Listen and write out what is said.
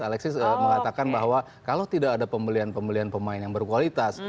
alexis mengatakan bahwa kalau tidak ada pembelian pembelian pemain yang berkualitas